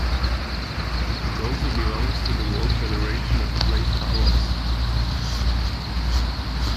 It also belongs to the World Federation of Great Towers.